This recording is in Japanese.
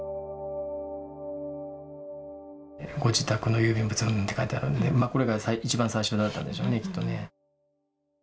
「ご自宅の郵便物うんぬん」って書いてあるのでこれが一番最初だったんでしょうねきっとね。